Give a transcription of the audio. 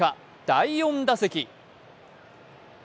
第４打席。